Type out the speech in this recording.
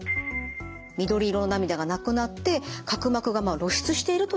緑色の涙がなくなって角膜が露出しているといった状態なんです。